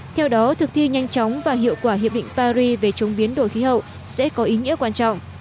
theo đó thực thi nhanh chóng và hiệu quả hiệp định paris về chống biến đổi khí hậu sẽ có ý nghĩa quan trọng